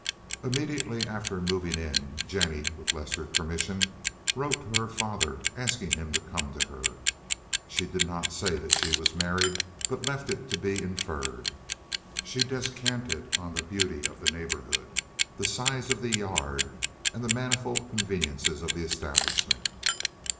Immediately after moving in, Jennie, with Lester's permission, wrote to her father asking him to come to her. She did not say that she was married, but left it to be inferred. She descanted on the beauty of the neighborhood, the size of the yard, and the manifold conveniences of the establishment.